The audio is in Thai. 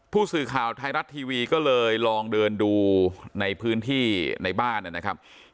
ผู้สื่อข่าวไทยรัฐทีวีก็เลยลองเดินดูในพื้นที่ในบ้านนะครับ